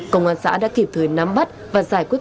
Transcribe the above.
công an xã đã kịp thời nắm bắt và giải quyết